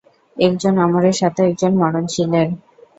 একজন অমরের সাথে একজন মরণশীলের।